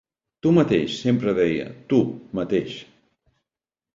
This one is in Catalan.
Tu mateix, sempre deia, tu, mateix.